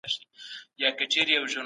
سیاستوال څنګه د خبرو له لاري شخړي حلوي؟